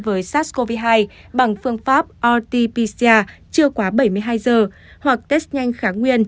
với sars cov hai bằng phương pháp rt pcr chưa quá bảy mươi hai giờ hoặc test nhanh kháng nguyên